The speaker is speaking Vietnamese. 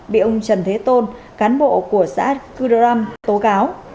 bị ông trần thế tôn cán bộ của xã cư đram tố cáo